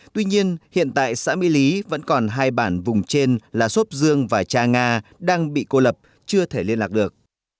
tuy nhiên hiện tại xã mỹ lý vẫn còn hai bản vùng trên là sốt dương và cha nga đang bị cô lập chưa thể liên lạc được